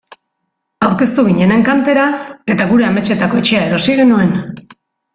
Aurkeztu ginen enkantera eta gure ametsetako etxea erosi genuen.